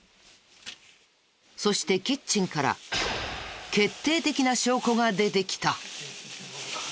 そしてキッチンから決定的な証拠が出てきた。